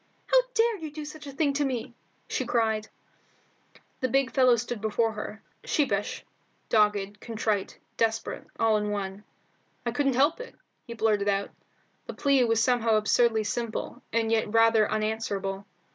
"How dared you do such a thing to me?" she cried. The big fellow stood before her, sheepish, dogged, contrite, desperate, all in one. "I couldn't help it," he blurted out. The plea was somehow absurdly simple, and yet rather unanswerable.